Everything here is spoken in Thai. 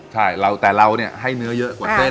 ใช่แต่เราเนี่ยให้เนื้อเยอะกว่าเส้น